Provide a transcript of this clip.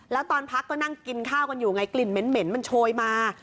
แล้วตอนพักก็นั่งกินข้าวกันอยู่ไงกลิ่นเหม็นมันโชยมา